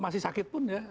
masih sakit pun ya